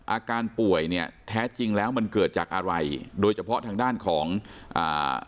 อาการป่วยเนี่ยแท้จริงแล้วมันเกิดจากอะไรโดยเฉพาะทางด้านของอ่า